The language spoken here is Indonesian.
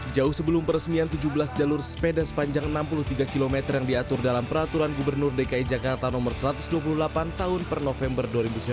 jauh sebelum peresmian tujuh belas jalur sepeda sepanjang enam puluh tiga km yang diatur dalam peraturan gubernur dki jakarta nomor satu ratus dua puluh delapan tahun per november dua ribu sembilan belas